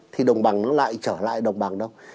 thì đồng bằng nó lại trở lại đồng bằng đâu